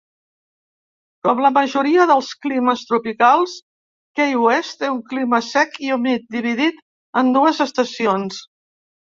Com la majoria dels climes tropicals, Key West té un clima sec i humit dividit en dues estacions.